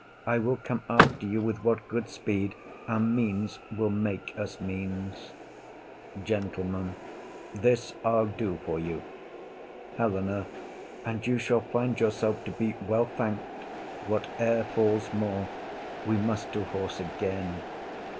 I will come after you with what good speed Our means will make us means. GENTLEMAN. This I'll do for you. HELENA. And you shall find yourself to be well thank'd, Whate'er falls more. We must to horse again.